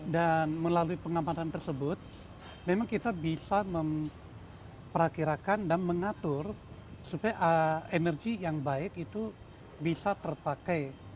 dan melalui pengamatan tersebut memang kita bisa memperkirakan dan mengatur supaya energi yang baik itu bisa terpakai